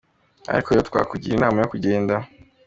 Ariko rero twakugira inama yo kugenda.